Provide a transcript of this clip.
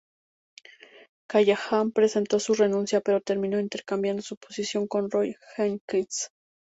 Callaghan presentó su renuncia pero terminó intercambiando su posición con Roy Jenkins.